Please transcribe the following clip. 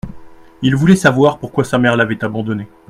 Il voulait savoir pourquoi sa mère l'avait abandonné.